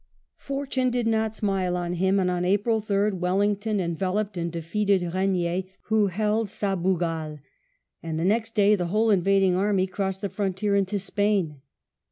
Fortune did not smile on him, and on April 3rd Wellington enveloped and defeated Eegnier who held Sabugal; and the next day the whole invading army crossed the frontier into Spain.